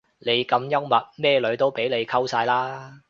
你咁幽默咩女都俾你溝晒啦